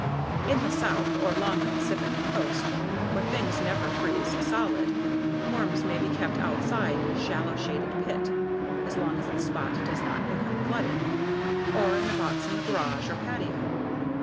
In the South or along the Pacific coast where things never freeze solid, worms may be kept outside in a shallow shaded pit (as long as the spot does not become flooded) or in a box in the garage or patio.